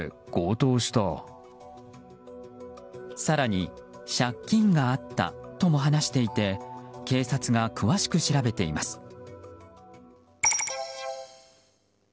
更に、借金があったとも話していて警察が詳しく調べています。